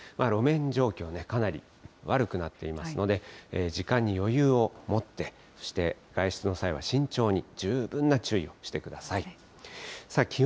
路面状況ね、かなり悪くなっていますので、時間に余裕を持って、そして外出の際は慎重に、十分な注意をしてください。